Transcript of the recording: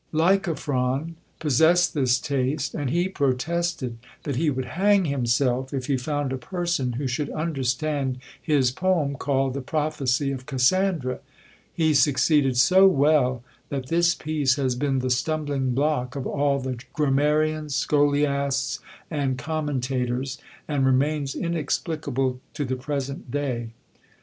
Lycophron possessed this taste, and he protested that he would hang himself if he found a person who should understand his poem, called the "Prophecy of Cassandra." He succeeded so well, that this piece has been the stumbling block of all the grammarians, scholiasts, and commentators; and remains inexplicable to the present day.